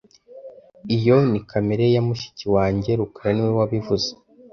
Iyo ni kamera ya mushiki wanjye rukara niwe wabivuze